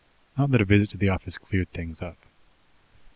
Not that a visit to the office cleared things up.